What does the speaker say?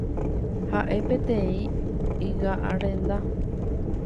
Ha'e peteĩ ygarenda.